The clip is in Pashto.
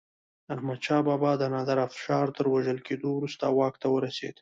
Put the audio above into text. احمدشاه بابا د نادر افشار تر وژل کېدو وروسته واک ته ورسيد.